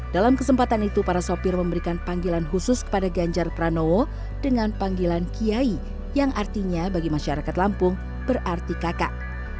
dalam kesempatan itu para sopir memberikan panggilan khusus kepada ganjar pranowo dengan panggilan kiai yang artinya bagi masyarakat lampung berarti kakak